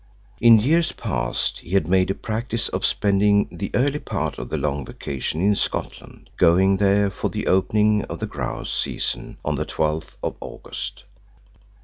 In years past he had made a practice of spending the early part of the long vacation in Scotland, going there for the opening of the grouse season on the 12th of August.